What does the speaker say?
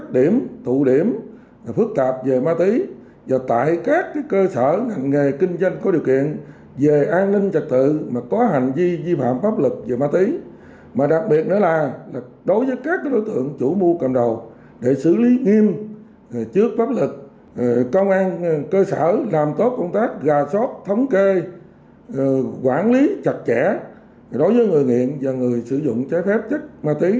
để xử lý nghiêm trước pháp luật công an cơ sở làm tốt công tác gà sót thống kê quản lý chặt chẽ đối với người nghiện và người sử dụng trái phép chất ma túy